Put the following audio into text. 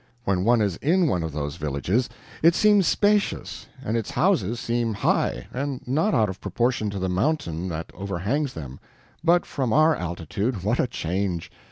When one is in one of those villages it seems spacious, and its houses seem high and not out of proportion to the mountain that overhangs them but from our altitude, what a change!